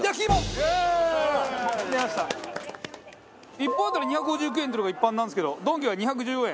１本当たり２５９円というのが一般なんですけどドンキは２１４円。